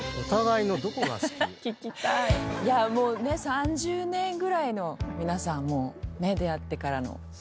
いやもうね３０年ぐらいの皆さん出会ってからの。